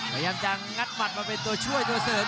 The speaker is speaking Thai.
พยายามจะงัดหมัดมาเป็นตัวช่วยตัวเสริม